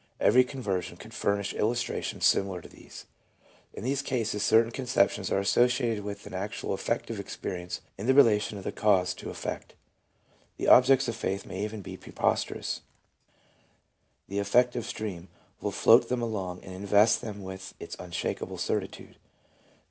Every conversion could furnish illustrations similar to these. In these cases certain conceptions are associated with an actual affective experience in the relation of cause to effect. The objects of Faith may even be preposterous; the affective stream will float them along and invest them with its unshakable certitude.